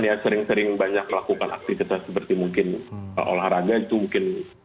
ya sering sering banyak melakukan aktivitas seperti mungkin olahraga itu mungkin